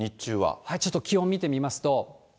ちょっと気温見てみますと。